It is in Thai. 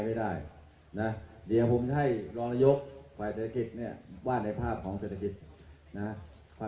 เมืองอัศวินธรรมดาคือสถานที่สุดท้ายของเมืองอัศวินธรรมดา